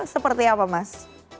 seperti apa mas